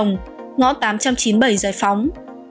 ngõ tám trăm chín mươi bảy giải phóng